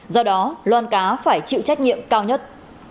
do đó loan cá phải chịu trách nhiệm cao nhất